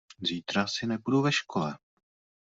Zítra asi nebudu ve škole.